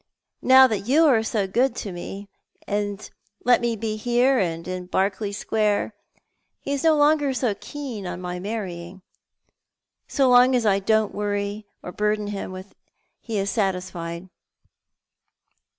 Now that you are so good to me and let me be here and in Berkeley Square, he is no longer so keen on my marrying. So long as I don't worry or burden him he is satisiied.